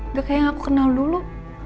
udah kayak yang aku kenal dulu